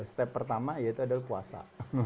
step pertama yaitu adalah puasa